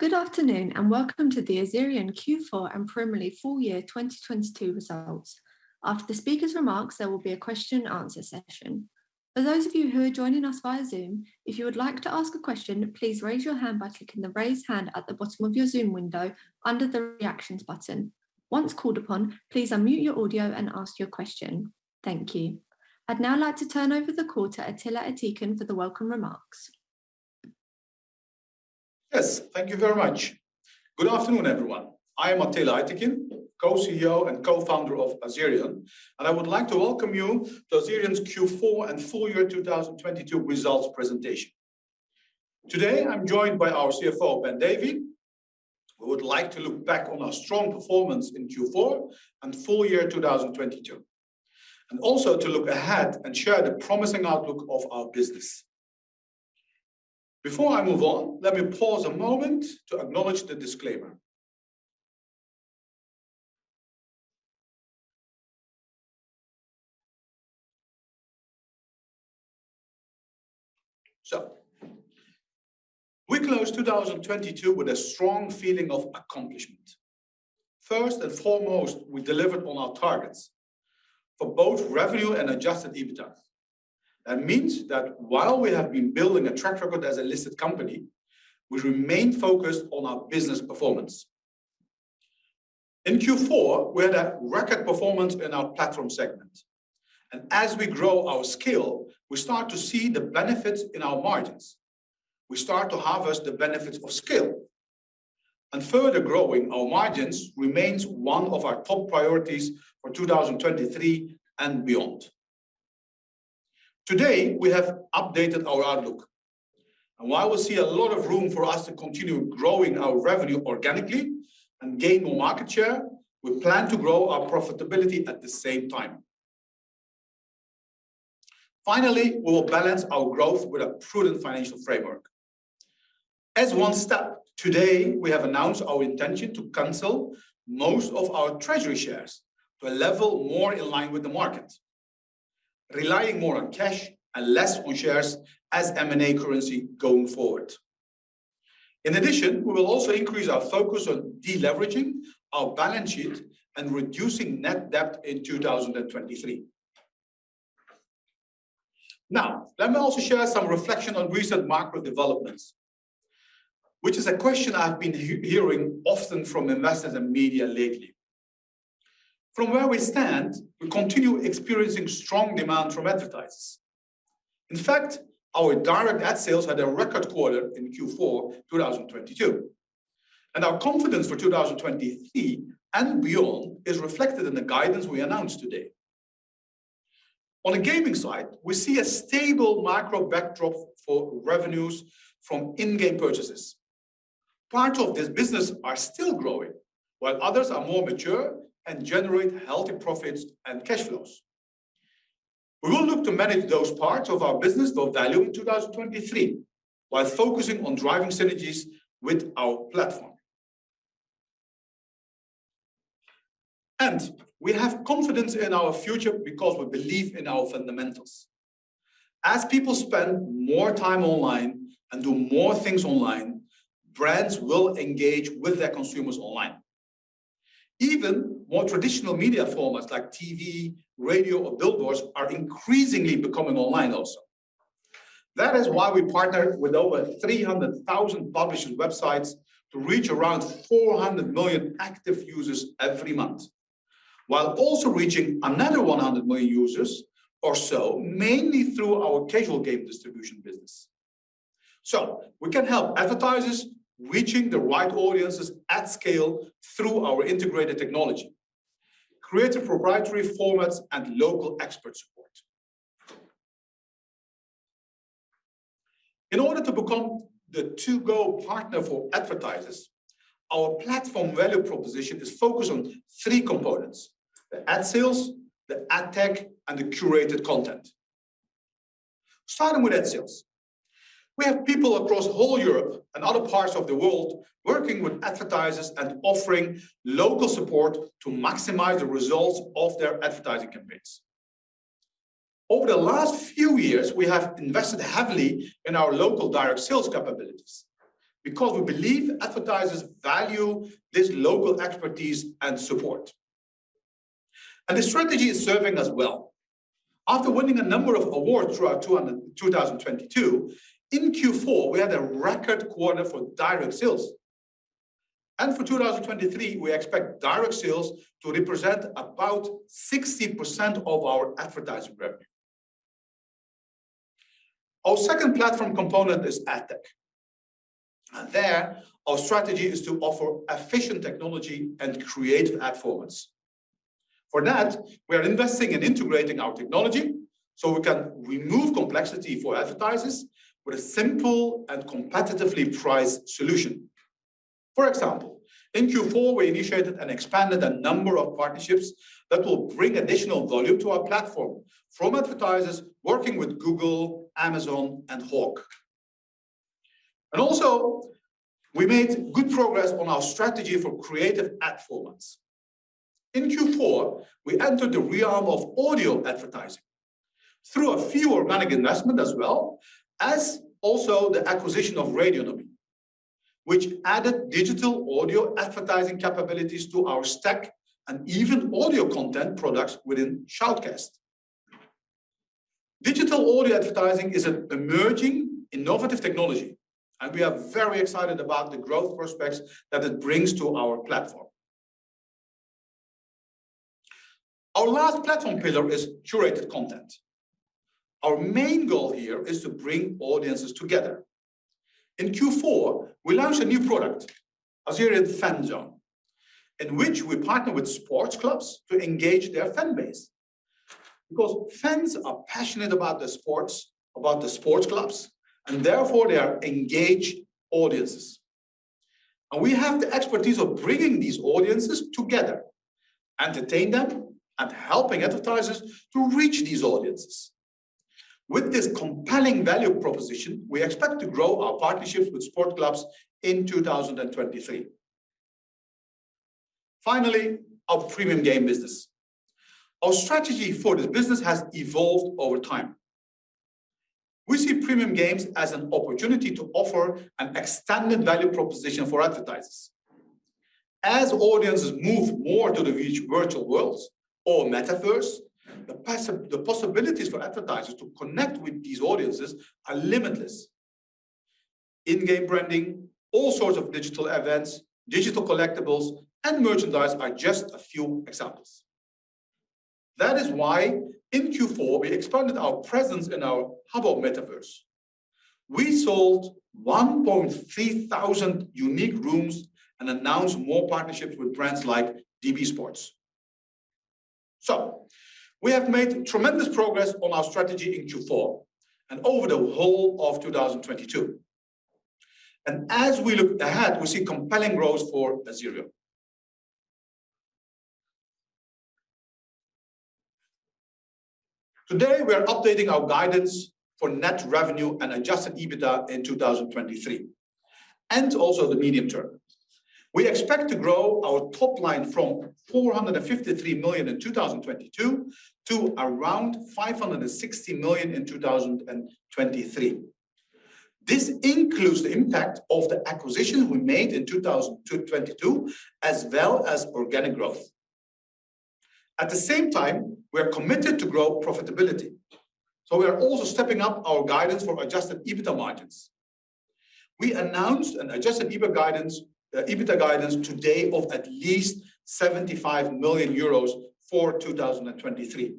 Good afternoon, welcome to the Azerion Q4 and preliminary full year 2022 results. After the speaker's remarks, there will be a question and answer session. For those of you who are joining us via Zoom, if you would like to ask a question, please raise your hand by clicking the Raise Hand at the bottom of your Zoom window under the Reactions button. Once called upon, please unmute your audio and ask your question. Thank you. I'd now like to turn over the call to Atilla Aytekin for the welcome remarks. Yes, thank you very much. Good afternoon, everyone. I am Atilla Aytekin, co-CEO and co-Founder of Azerion. I would like to welcome you to Azerion's Q4 and full year 2022 results presentation. Today, I'm joined by our CFO, Ben Davey. We would like to look back on our strong performance in Q4 and full year 2022, also to look ahead and share the promising outlook of our business. Before I move on, let me pause a moment to acknowledge the disclaimer. We closed 2022 with a strong feeling of accomplishment. First and foremost, we delivered on our targets for both revenue and adjusted EBITDA. That means that while we have been building a track record as a listed company, we remain focused on our business performance. In Q4, we had a record performance in our Platform segment, and as we grow our scale, we start to see the benefits in our margins. We start to harvest the benefits of scale, and further growing our margins remains one of our top priorities for 2023 and beyond. Today, we have updated our outlook, and while we see a lot of room for us to continue growing our revenue organically and gain more market share, we plan to grow our profitability at the same time. Finally, we will balance our growth with a prudent financial framework. As one step, today, we have announced our intention to cancel most of our treasury shares to a level more in line with the market, relying more on cash and less on shares as M&A currency going forward. In addition, we will also increase our focus on de-leveraging our balance sheet and reducing net debt in 2023. Now, let me also share some reflection on recent macro developments, which is a question I've been hearing often from investors and media lately. From where we stand, we continue experiencing strong demand from advertisers. In fact, our direct Ad Sales had a record quarter in Q4 2022, and our confidence for 2023 and beyond is reflected in the guidance we announced today. On the gaming side, we see a stable macro backdrop for revenues from in-game purchases. Parts of this business are still growing, while others are more mature and generate healthy profits and cash flows. We will look to manage those parts of our business for value in 2023, while focusing on driving synergies with our Platform. We have confidence in our future because we believe in our fundamentals. As people spend more time online and do more things online, brands will engage with their consumers online. Even more traditional media formats like TV, radio, or billboards are increasingly becoming online also. That is why we partner with over 300,000 publishing websites to reach around 400 million active users every month, while also reaching another 100 million users or so, mainly through our casual game distribution business. We can help advertisers reaching the right audiences at scale through our integrated technology, creative proprietary formats and local expert support. In order to become the to-go partner for advertisers, our Platform value proposition is focused on three components: the Ad Sales, the Ad Tech, and the Curated Content. Starting with Ad Sales, we have people across whole Europe and other parts of the world working with advertisers and offering local support to maximize the results of their advertising campaigns. Over the last few years, we have invested heavily in our local direct sales capabilities because we believe advertisers value this local expertise and support, and the strategy is serving us well. After winning a number of awards throughout 2022, in Q4, we had a record quarter for direct sales, and for 2023, we expect direct sales to represent about 60% of our advertising revenue. Our second Platform component is Ad Tech. There, our strategy is to offer efficient technology and creative ad formats. For that, we are investing in integrating our technology, so we can remove complexity for advertisers with a simple and competitively priced solution. For example, in Q4, we initiated and expanded a number of partnerships that will bring additional volume to our Platform from advertisers working with Google, Amazon, and Hawk. We made good progress on our strategy for creative ad formats. In Q4, we entered the realm of audio advertising through a few organic investment as well as also the acquisition of Radionomy, which added digital audio advertising capabilities to our stack and even audio content products within Shoutcast. Digital audio advertising is an emerging innovative technology, and we are very excited about the growth prospects that it brings to our Platform. Our last Platform pillar is Curated Content. Our main goal here is to bring audiences together. In Q4, we launched a new product, Azerion Fanzone, in which we partner with sports clubs to engage their fan base. Fans are passionate about the sports, about the sports clubs, and therefore they are engaged audiences. We have the expertise of bringing these audiences together, entertain them, and helping advertisers to reach these audiences. With this compelling value proposition, we expect to grow our partnerships with sports clubs in 2023. Finally, our premium game business. Our strategy for this business has evolved over time. We see premium games as an opportunity to offer an extended value proposition for advertisers. As audiences move more to the virtual worlds or metaverse, the possibilities for advertisers to connect with these audiences are limitless. In-game branding, all sorts of digital events, digital collectibles, and merchandise are just a few examples. That is why in Q4, we expanded our presence in our Habbo Metaverse. We sold 1,300 unique rooms and announced more partnerships with brands like DB Sports. We have made tremendous progress on our strategy in Q4 and over the whole of 2022. As we look ahead, we see compelling growth for Azerion. Today, we are updating our guidance for net revenue and adjusted EBITDA in 2023, and also the medium term. We expect to grow our top line from 453 million in 2022 to around 560 million in 2023. This includes the impact of the acquisitions we made in 2022 as well as organic growth. At the same time, we are committed to grow profitability, so we are also stepping up our guidance for adjusted EBITDA margins. We announced an adjusted EBITDA guidance today of at least 75 million euros for 2023,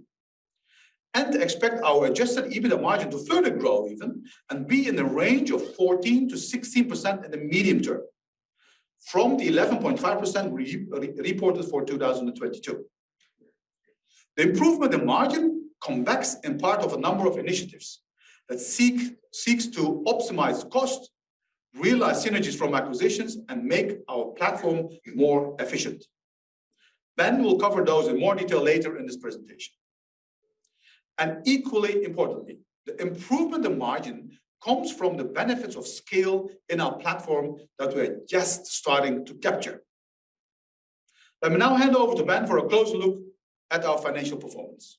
and expect our adjusted EBITDA margin to further grow even and be in the range of 14%-16% in the medium term from the 11.5% reported for 2022. The improvement in margin consists in part of a number of initiatives that seeks to optimize costs, realize synergies from acquisitions, and make our Platform more efficient. Ben will cover those in more detail later in this presentation. Equally importantly, the improvement in margin comes from the benefits of scale in our Platform that we're just starting to capture. Let me now hand over to Ben for a closer look at our financial performance.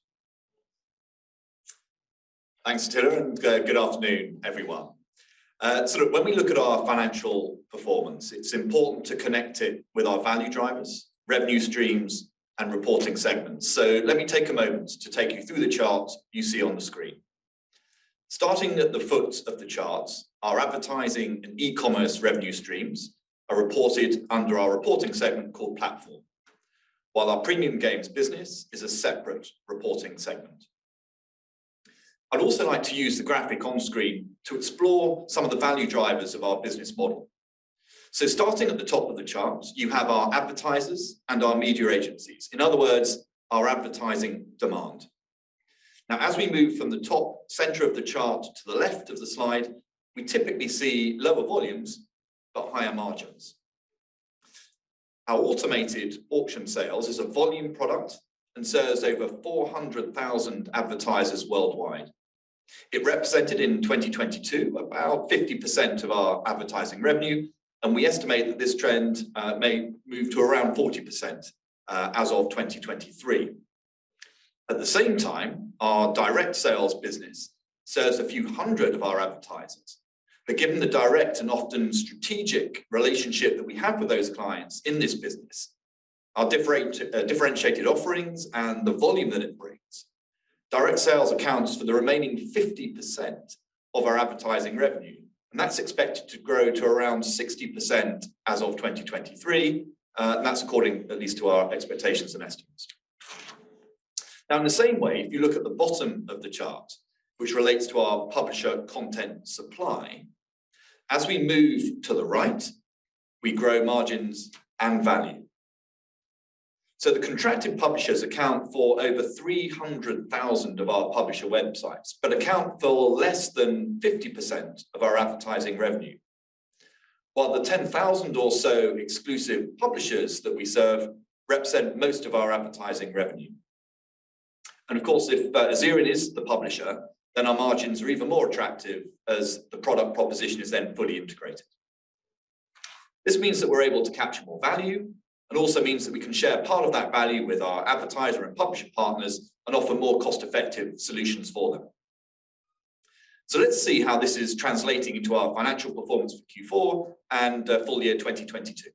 Thanks, Atilla, and good afternoon, everyone. When we look at our financial performance, it's important to connect it with our value drivers, revenue streams, and reporting segments. Let me take a moment to take you through the chart you see on the screen. Starting at the foot of the chart, our advertising and e-commerce revenue streams are reported under our reporting segment called Platform, while our premium games business is a separate reporting segment. I'd also like to use the graphic on screen to explore some of the value drivers of our business model. Starting at the top of the chart, you have our advertisers and our media agencies, in other words, our advertising demand. As we move from the top center of the chart to the left of the slide, we typically see lower volumes but higher margins. Our automated auction sales is a volume product and serves over 400,000 advertisers worldwide. It represented in 2022 about 50% of our advertising revenue, and we estimate that this trend may move to around 40% as of 2023. At the same time, our direct sales business serves a few hundred of our advertisers. Given the direct and often strategic relationship that we have with those clients in this business, our differentiated offerings and the volume that it brings, direct sales accounts for the remaining 50% of our advertising revenue, and that's expected to grow to around 60% as of 2023. That's according at least to our expectations and estimates. In the same way, if you look at the bottom of the chart, which relates to our publisher content supply, as we move to the right, we grow margins and value. The contracted publishers account for over 300,000 of our publisher websites, but account for less than 50% of our advertising revenue, while the 10,000 or so exclusive publishers that we serve represent most of our advertising revenue. Of course, if Azerion is the publisher, then our margins are even more attractive as the product proposition is then fully integrated. This means that we're able to capture more value, and also means that we can share part of that value with our advertiser and publisher partners and offer more cost-effective solutions for them. Let's see how this is translating into our financial performance for Q4 and full year 2022.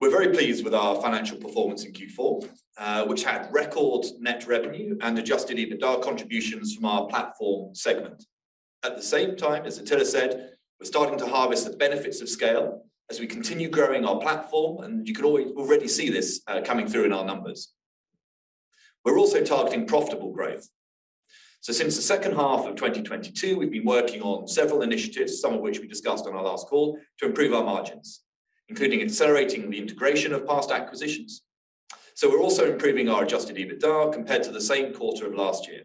We're very pleased with our financial performance in Q4, which had record net revenue and adjusted EBITDA contributions from our Platform segment. At the same time, as Atilla said, we're starting to harvest the benefits of scale as we continue growing our Platform, and you can already see this coming through in our numbers. We're also targeting profitable growth. Since the second half of 2022, we've been working on several initiatives, some of which we discussed on our last call, to improve our margins, including accelerating the integration of past acquisitions. We're also improving our adjusted EBITDA compared to the same quarter of last year.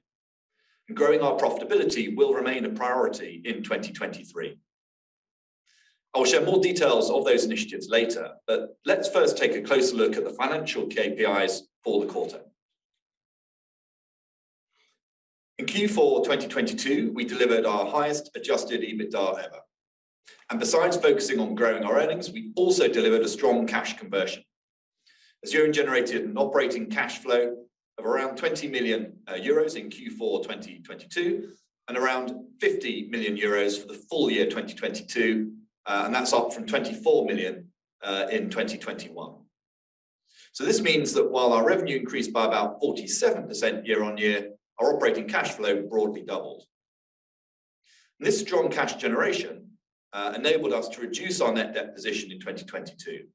Growing our profitability will remain a priority in 2023. I will share more details of those initiatives later, but let's first take a closer look at the financial KPIs for the quarter. In Q4 2022, we delivered our highest adjusted EBITDA ever. Besides focusing on growing our earnings, we also delivered a strong cash conversion. Azerion generated an operating cash flow of around 20 million euros in Q4 2022, and around 50 million euros for the full year 2022, and that's up from 24 million in 2021. This means that while our revenue increased by about 47% year-on-year, our operating cash flow broadly doubled. This strong cash generation enabled us to reduce our net debt position in 2022.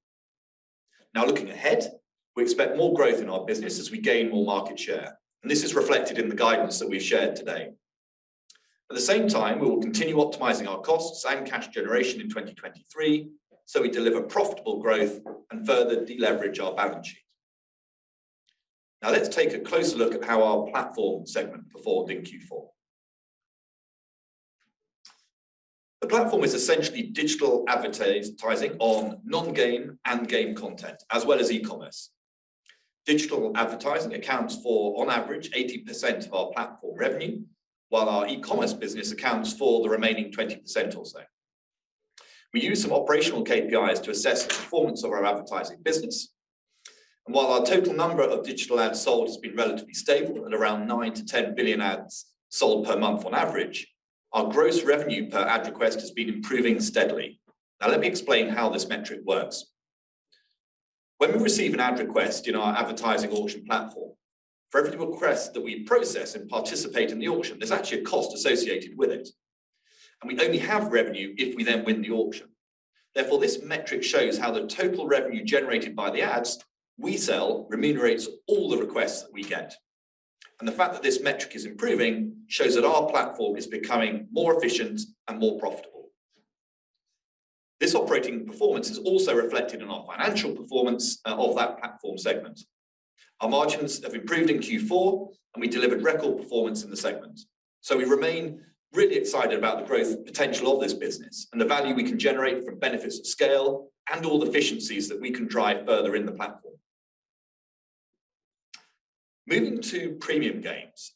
Looking ahead, we expect more growth in our business as we gain more market share, and this is reflected in the guidance that we've shared today. At the same time, we will continue optimizing our costs and cash generation in 2023, so we deliver profitable growth and further de-leverage our balance sheet. Now let's take a closer look at how our Platform segment performed in Q4. The Platform is essentially digital advertising on non-game and game content, as well as e-commerce. Digital advertising accounts for on average 80% of our Platform revenue, while our e-commerce business accounts for the remaining 20% or so. We use some operational KPIs to assess the performance of our advertising business. While our total number of digital ads sold has been relatively stable at around 9 billion-10 billion ads sold per month on average, our gross revenue per ad request has been improving steadily. Now let me explain how this metric works. When we receive an ad request in our advertising auction Platform, for every request that we process and participate in the auction, there's actually a cost associated with it, and we only have revenue if we then win the auction. This metric shows how the total revenue generated by the ads we sell remunerates all the requests that we get. The fact that this metric is improving shows that our Platform is becoming more efficient and more profitable. This operating performance is also reflected in our financial performance of that Platform segment. Our margins have improved in Q4, and we delivered record performance in the segment. We remain really excited about the growth potential of this business and the value we can generate from benefits of scale and all the efficiencies that we can drive further in the Platform. Moving to premium games.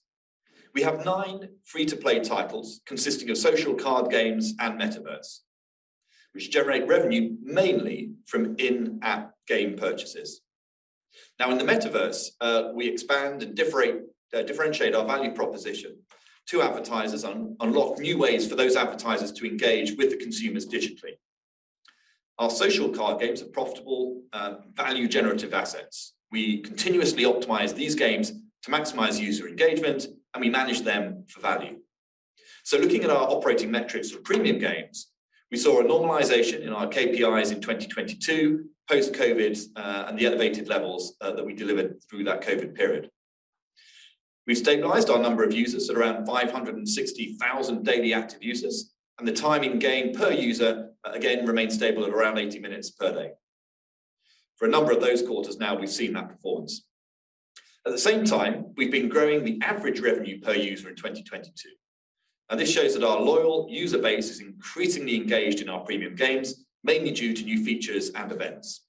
We have 9 free-to-play titles consisting of social card games and metaverse, which generate revenue mainly from in-app game purchases. Now, in the metaverse, we expand and differentiate our value proposition to advertisers and unlock new ways for those advertisers to engage with the consumers digitally. Our social card games are profitable, value generative assets. We continuously optimize these games to maximize user engagement, and we manage them for value. Looking at our operating metrics for premium games, we saw a normalization in our KPIs in 2022 post COVID, and the elevated levels that we delivered through that COVID period. We've stabilized our number of users at around 560,000 daily active users, and the time in game per user, again, remains stable at around 80 minutes per day. For a number of those quarters now, we've seen that performance. At the same time, we've been growing the average revenue per user in 2022, and this shows that our loyal user base is increasingly engaged in our premium games, mainly due to new features and events.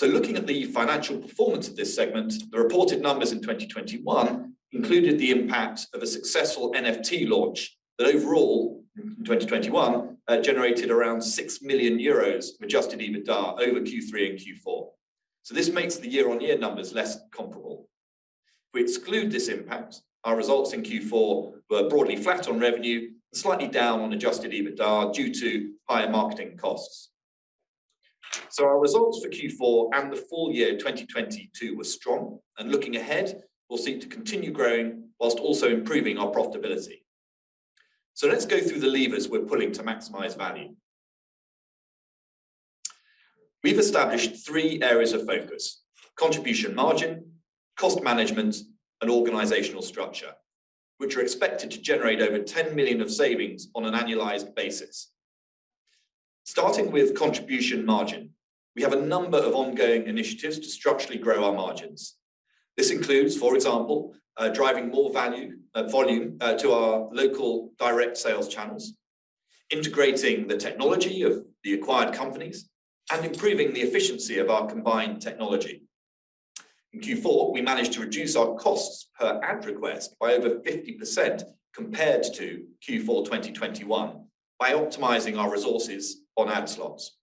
Looking at the financial performance of this segment, the reported numbers in 2021 included the impact of a successful NFT launch that overall in 2021, generated around 6 million euros adjusted EBITDA over Q3 and Q4. This makes the year-on-year numbers less comparable. If we exclude this impact, our results in Q4 were broadly flat on revenue and slightly down on adjusted EBITDA due to higher marketing costs. Our results for Q4 and the full year 2022 were strong, and looking ahead, we'll seek to continue growing whilst also improving our profitability. Let's go through the levers we're pulling to maximize value. We've established three areas of focus: contribution margin, cost management, and organizational structure, which are expected to generate over 10 million of savings on an annualized basis. Starting with contribution margin, we have a number of ongoing initiatives to structurally grow our margins. This includes, for example, driving more value, volume, to our local direct sales channels. Integrating the technology of the acquired companies and improving the efficiency of our combined technology. In Q4, we managed to reduce our costs per ad request by over 50% compared to Q4 2021 by optimizing our resources on ad slots.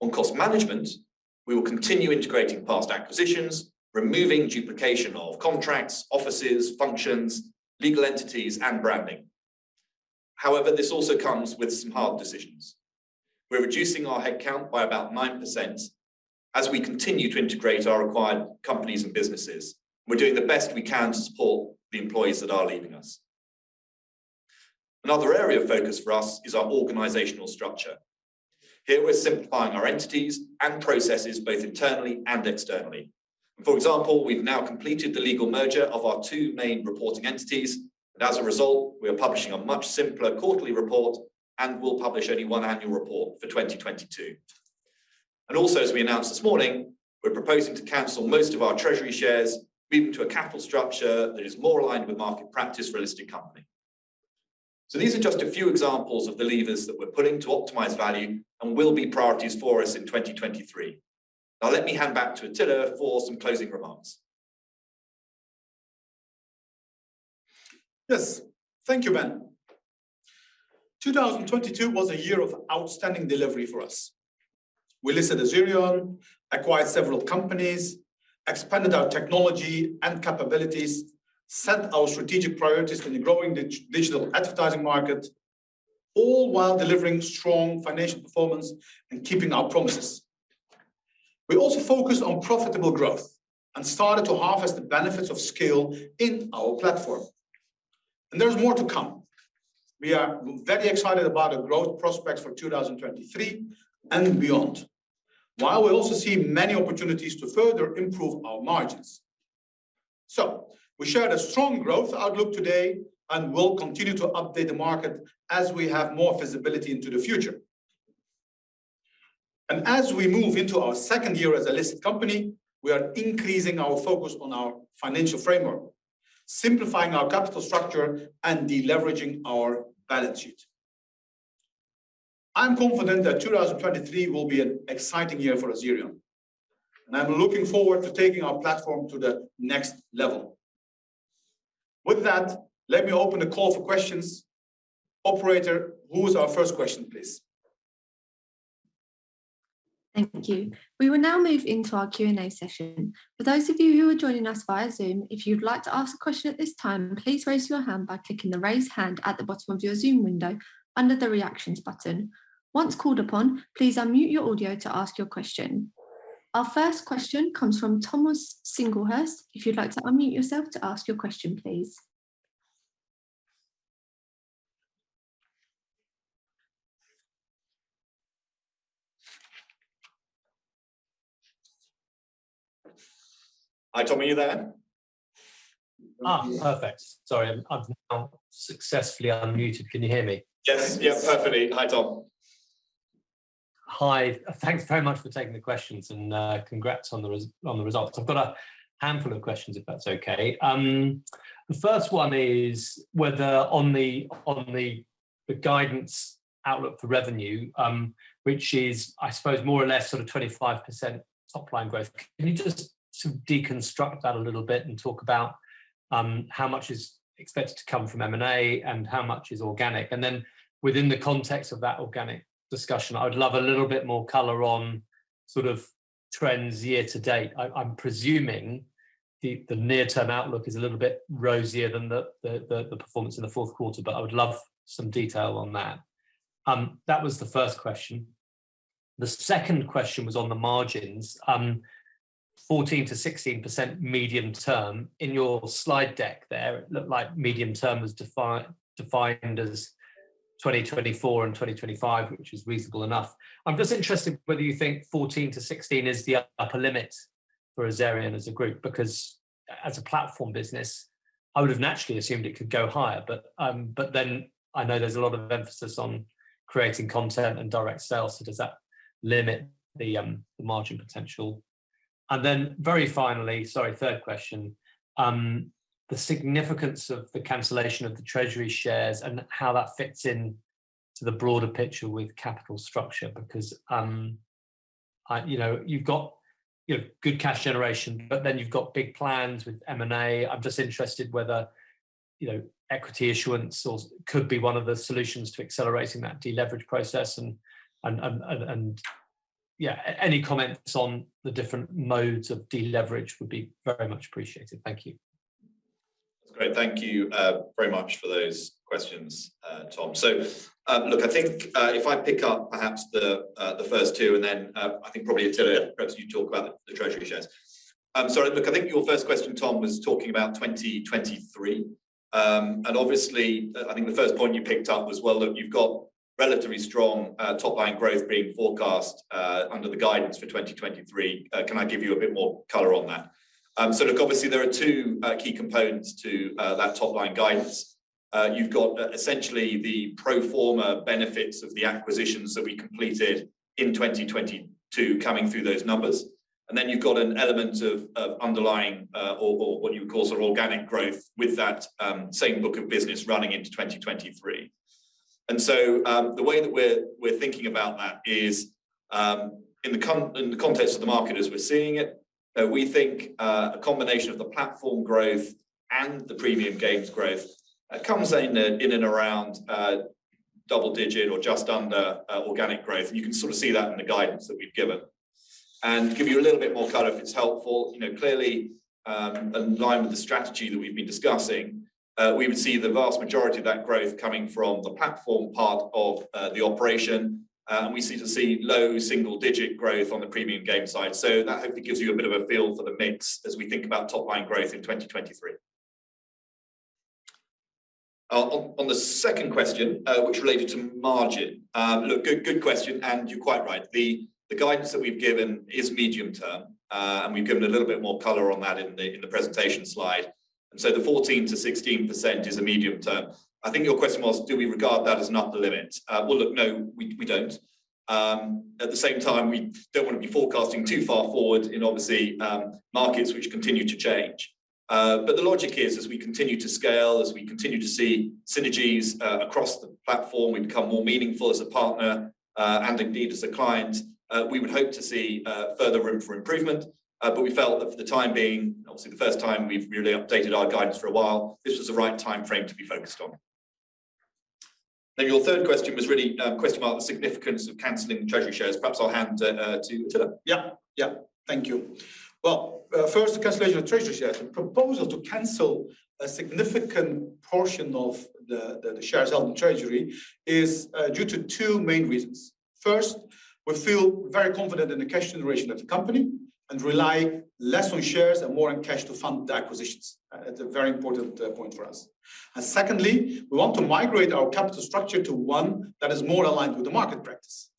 On cost management, we will continue integrating past acquisitions, removing duplication of contracts, offices, functions, legal entities and branding. However, this also comes with some hard decisions. We're reducing our headcount by about 9% as we continue to integrate our acquired companies and businesses. We're doing the best we can to support the employees that are leaving us. Another area of focus for us is our organizational structure. Here we're simplifying our entities and processes both internally and externally. For example, we've now completed the legal merger of our two main reporting entities, as a result, we are publishing a much simpler quarterly report and will publish only 1 annual report for 2022. Also, as we announced this morning, we're proposing to cancel most of our treasury shares, moving to a capital structure that is more aligned with market practice for a listed company. These are just a few examples of the levers that we're pulling to optimize value and will be priorities for us in 2023. Let me hand back to Atilla for some closing remarks. Yes. Thank you, Ben. 2022 was a year of outstanding delivery for us. We listed Azerion, acquired several companies, expanded our technology and capabilities, set our strategic priorities in the growing digital advertising market, all while delivering strong financial performance and keeping our promises. We also focused on profitable growth and started to harvest the benefits of scale in our Platform. There's more to come. We are very excited about the growth prospects for 2023 and beyond, while we also see many opportunities to further improve our margins. We shared a strong growth outlook today and will continue to update the market as we have more visibility into the future. As we move into our second year as a listed company, we are increasing our focus on our financial framework, simplifying our capital structure and de-leveraging our balance sheet. I'm confident that 2023 will be an exciting year for Azerion, and I'm looking forward to taking our Platform to the next level. With that, let me open the call for questions. Operator, who is our first question, please? Thank you. We will now move into our Q&A session. For those of you who are joining us via Zoom, if you'd like to ask a question at this time, please raise your hand by clicking the Raise Hand at the bottom of your Zoom window under the Reactions button. Once called upon, please unmute your audio to ask your question. Our first question comes from Thomas Singlehurst. If you'd like to unmute yourself to ask your question, please. Hi, Tom. Are you there? Perfect. Sorry, I'm now successfully unmuted. Can you hear me? Yes. Yeah, perfectly. Hi, Tom. Hi. Thanks very much for taking the questions, and congrats on the results. I've got a handful of questions if that's okay. The first one is whether on the guidance outlook for revenue, which is I suppose more or less sort of 25% top line growth. Can you just sort of deconstruct that a little bit and talk about how much is expected to come from M&A and how much is organic? Within the context of that organic discussion, I would love a little bit more color on sort of trends year to date. I'm presuming the near-term outlook is a little bit rosier than the performance in the fourth quarter, but I would love some detail on that. That was the first question. The second question was on the margins. 14%-16% medium term. In your slide deck there, it looked like medium term was defined as 2024 and 2025, which is reasonable enough. I'm just interested whether you think 14%-16% is the upper limit for Azerion as a group. As a Platform business, I would've naturally assumed it could go higher, I know there's a lot of emphasis on creating content and direct sales, so does that limit the margin potential? Very finally, sorry, third question, the significance of the cancellation of the treasury shares and how that fits in to the broader picture with capital structure because, I, you know, you've got, you know, good cash generation, you've got big plans with M&A. I'm just interested whether, you know, equity issuance or could be one of the solutions to accelerating that de-leverage process. And, yeah, any comments on the different modes of de-leverage would be very much appreciated. Thank you. That's great. Thank you very much for those questions, Tom. Look, I think if I pick up perhaps the first two, and then, I think probably Atilla perhaps you talk about the treasury shares. Sorry. Look, I think your first question, Tom, was talking about 2023. Obviously, I think the first point you picked up was, well, look, you've got relatively strong top line growth being forecast under the guidance for 2023. Can I give you a bit more color on that? Look, obviously there are two key components to that top line guidance. You've got essentially the pro forma benefits of the acquisitions that we completed in 2022 coming through those numbers. You've got an element of underlying, or what you would call sort of organic growth with that same book of business running into 2023. The way that we're thinking about that is in the context of the market as we're seeing it, we think a combination of the Platform growth and the premium games growth comes in in and around double-digit or just under organic growth. You can sort of see that in the guidance that we've given. To give you a little bit more color if it's helpful, you know, clearly, in line with the strategy that we've been discussing, we would see the vast majority of that growth coming from the Platform part of the operation. We seem to see low single-digit growth on the premium game side. That hopefully gives you a bit of a feel for the mix as we think about top line growth in 2023. On the second question, which related to margin, look, good question, and you're quite right. The guidance that we've given is medium term, and we've given a little bit more color on that in the presentation slide. The 14%-16% is a medium term. I think your question was do we regard that as an upper limit? Well, look, no, we don't. At the same time, we don't wanna be forecasting too far forward in obviously, markets which continue to change. The logic is as we continue to scale, as we continue to see synergies across the Platform, we become more meaningful as a partner and indeed as a client, we would hope to see further room for improvement. We felt that for the time being, obviously the first time we've really updated our guidance for a while, this was the right timeframe to be focused on. Your third question was really a question about the significance of canceling treasury shares. Perhaps I'll hand to. Yeah. Thank you. Well, first, the cancellation of treasury shares. The proposal to cancel a significant portion of the shares held in treasury is due to two main reasons. First, we feel very confident in the cash generation of the company and rely less on shares and more on cash to fund the acquisitions. That's a very important point for us. Secondly, we want to migrate our capital structure to one that is more aligned with the market practice.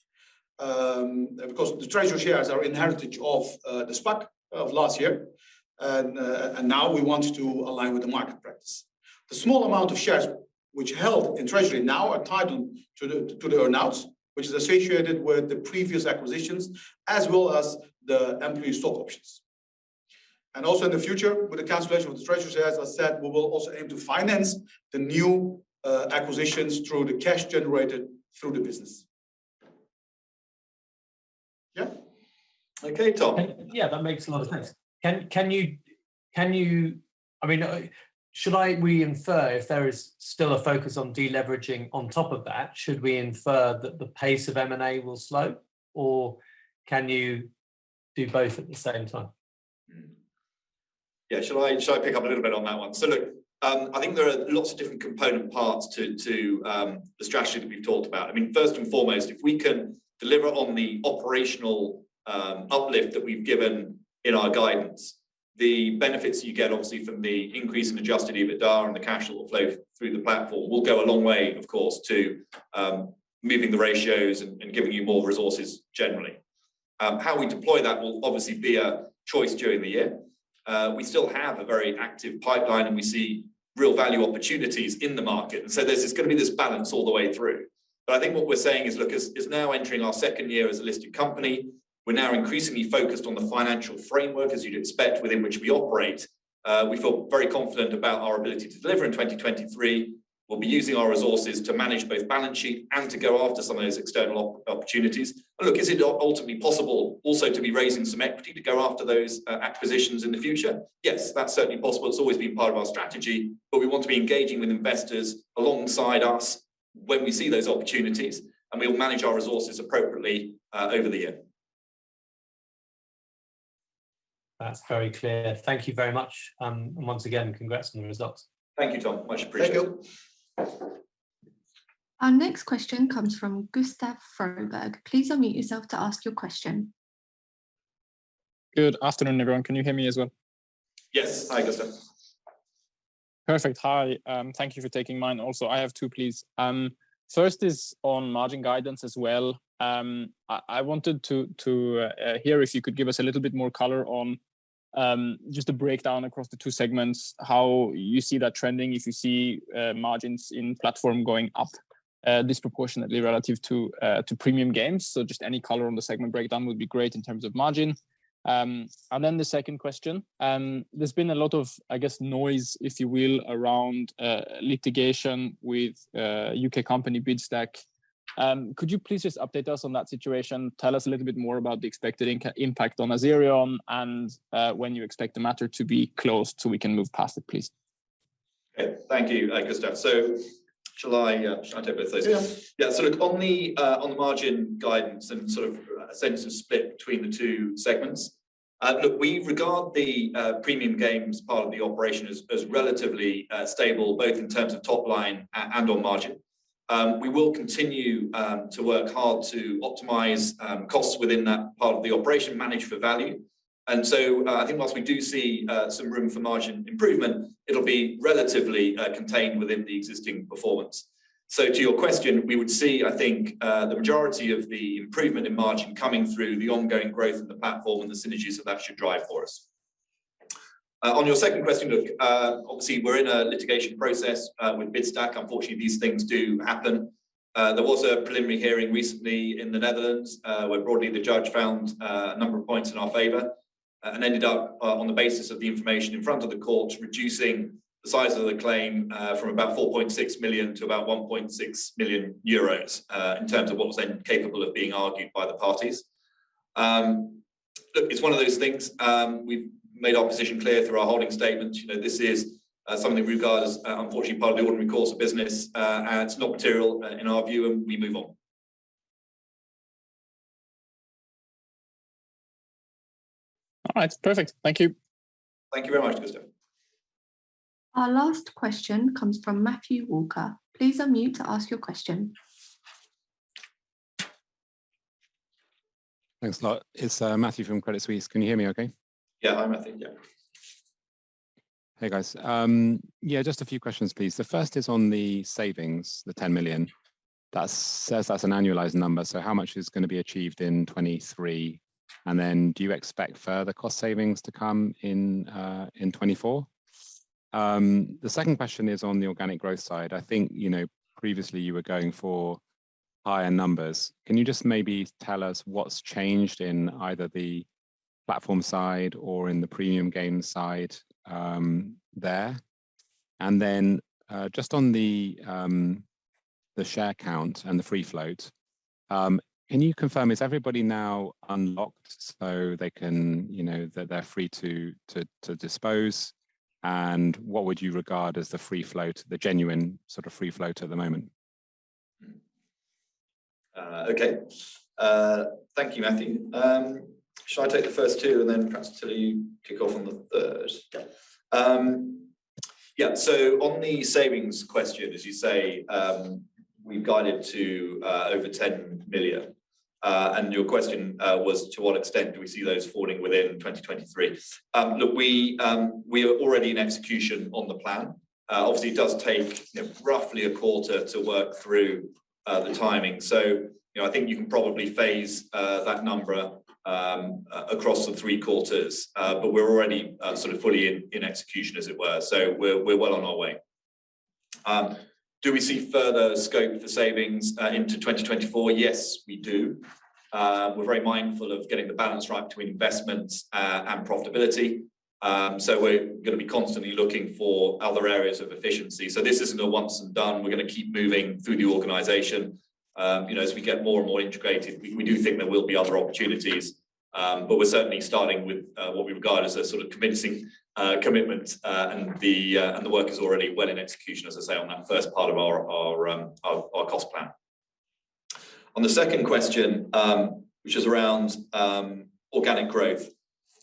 Of course, the treasury shares are an heritage of the SPAC of last year. Now we want to align with the market practice. The small amount of shares which are held in treasury now are titled to the earn-outs, which is associated with the previous acquisitions as well as the employee stock options. Also in the future, with the cancellation of the treasury shares, as I said, we will also aim to finance the new acquisitions through the cash generated through the business. Yeah? Okay, Tom. Yeah, that makes a lot of sense. Can you, I mean, should we infer if there is still a focus on deleveraging on top of that, should we infer that the pace of M&A will slow? Or can you do both at the same time? Yeah. Shall I pick up a little bit on that one? Look, I think there are lots of different component parts to the strategy that we've talked about. I mean, first and foremost, if we can deliver on the operational uplift that we've given in our guidance, the benefits you get obviously from the increase in adjusted EBITDA and the cash flow through the Platform will go a long way, of course, to moving the ratios and giving you more resources generally. How we deploy that will obviously be a choice during the year. We still have a very active pipeline, and we see real value opportunities in the market. There's just gonna be this balance all the way through. I think what we're saying is, look, as now entering our second year as a listed company, we're now increasingly focused on the financial framework, as you'd expect, within which we operate. We feel very confident about our ability to deliver in 2023. We'll be using our resources to manage both balance sheet and to go after some of those external opportunities. Look, is it ultimately possible also to be raising some equity to go after those acquisitions in the future? Yes, that's certainly possible. It's always been part of our strategy. We want to be engaging with investors alongside us when we see those opportunities, and we will manage our resources appropriately over the year. That's very clear. Thank you very much. Once again, congrats on the results. Thank you, Tom. Much appreciated. Thank you. Our next question comes from Gustav Froberg. Please unmute yourself to ask your question. Good afternoon, everyone. Can you hear me as well? Yes. Hi, Gustav. Perfect. Hi. thank you for taking mine also. I have two, please. first is on margin guidance as well. I wanted to hear if you could give us a little bit more color on, just a breakdown across the two segments, how you see that trending, if you see, margins in Platform going up, disproportionately relative to premium games. Just any color on the segment breakdown would be great in terms of margin. The second question, there's been a lot of, I guess, noise, if you will, around, litigation with, U.K. company Bidstack. Could you please just update us on that situation? Tell us a little bit more about the expected impact on Azerion and, when you expect the matter to be closed so we can move past it, please. Okay. Thank you, Gustav. Shall I take both those? Yeah. Yeah. Look, on the margin guidance and sort of a sense of split between the two segments, look, we regard the premium games part of the operation as relatively stable, both in terms of top line and on margin. We will continue to work hard to optimize costs within that part of the operation, manage for value. I think whilst we do see some room for margin improvement, it'll be relatively contained within the existing performance. To your question, we would see, I think, the majority of the improvement in margin coming through the ongoing growth of the Platform and the synergies that should drive for us. On your second question, look, obviously we're in a litigation process with Bidstack. Unfortunately, these things do happen. There was a preliminary hearing recently in the Netherlands, where broadly the judge found a number of points in our favor, and ended up on the basis of the information in front of the court, reducing the size of the claim from about 4.6 million to about 1.6 million euros, in terms of what was then capable of being argued by the parties. Look, it's one of those things, we've made our position clear through our holding statement. You know, this is something we regard as unfortunately part of the ordinary course of business. It's not material in our view, and we move on. All right. Perfect. Thank you. Thank you very much, Gustav. Our last question comes from Matthew Walker. Please unmute to ask your question. Thanks a lot. It's Matthew from Credit Suisse. Can you hear me okay? Yeah. Hi, Matthew. Yeah. Hey, guys. Yeah, just a few questions, please. The first is on the savings, the 10 million. That says that's an annualized number, so how much is gonna be achieved in 2023? Do you expect further cost savings to come in in 2024? The second question is on the organic growth side. I think, you know, previously you were going for higher numbers. Can you just maybe tell us what's changed in either the Platform side or in the premium game side there? Just on the share count and the free float, can you confirm, is everybody now unlocked so they can, you know, that they're free to dispose? What would you regard as the free float, the genuine sort of free float at the moment? Okay. Thank you, Matthew. Shall I take the first two, and then perhaps Atilla you kick off on the third? Yeah. On the savings question, as you say, we've guided to over 10 million. And your question was to what extent do we see those falling within 2023. We're already in execution on the plan. Obviously it does take, you know, roughly a quarter to work through the timing. You know, I think you can probably phase that number across the 3 quarters. But we're already sort of fully in execution, as it were. We're well on our way. Do we see further scope for savings into 2024? Yes, we do. We're very mindful of getting the balance right between investments and profitability. We're gonna be constantly looking for other areas of efficiency. This isn't a once and done. We're gonna keep moving through the organization. You know, as we get more and more integrated, we do think there will be other opportunities. We're certainly starting with what we regard as a sort of convincing commitment. The work is already well in execution, as I say, on that first part of our cost plan. On the second question, which is around organic growth.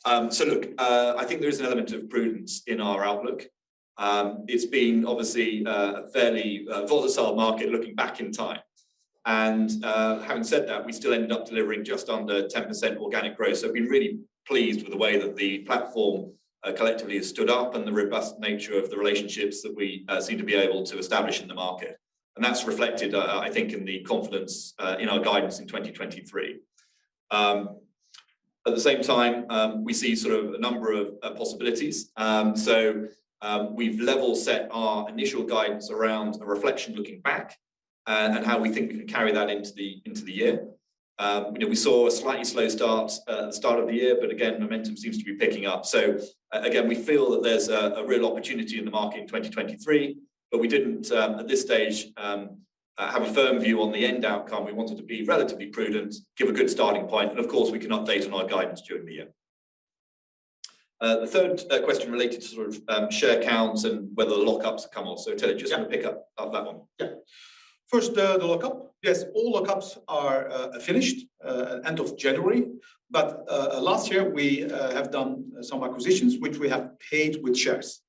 Look, I think there is an element of prudence in our outlook. It's been obviously a fairly volatile market looking back in time. Having said that, we still ended up delivering just under 10% organic growth. We're really pleased with the way that the Platform collectively has stood up and the robust nature of the relationships that we seem to be able to establish in the market. That's reflected, I think in the confidence in our guidance in 2023. At the same time, we see sort of a number of possibilities. We've level set our initial guidance around a reflection looking back and how we think we can carry that into the, into the year. You know, we saw a slightly slow start at the start of the year, but again, momentum seems to be picking up. again, we feel that there's a real opportunity in the market in 2023, but we didn't, at this stage, have a firm view on the end outcome. We wanted to be relatively prudent, give a good starting point, and of course, we can update on our guidance during the year. The third question related to sort of share counts and whether lock-ups have come off. Atilla- Yeah... just wanna pick up off that one. Yeah. First, the lock-up. Yes, all lock-ups are finished at end of January. Last year, we have done some acquisitions, which we have paid with shares.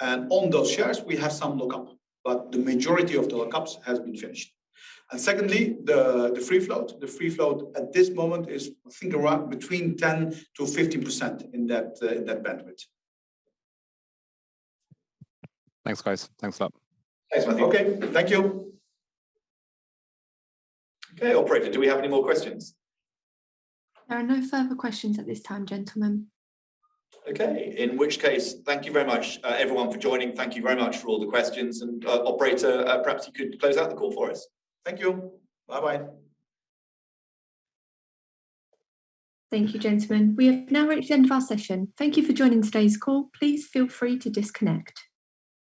On those shares, we have some lock-up, but the majority of the lock-ups has been finished. Secondly, the free float. The free float at this moment is I think around between 10%-15% in that in that bandwidth. Thanks, guys. Thanks a lot. Thanks, Matthew. Okay, thank you. Okay. Operator, do we have any more questions? There are no further questions at this time, gentlemen. Okay. In which case, thank you very much, everyone for joining. Thank you very much for all the questions. Operator, perhaps you could close out the call for us. Thank you. Bye-bye. Thank you, gentlemen. We have now reached the end of our session. Thank you for joining today's call. Please feel free to disconnect.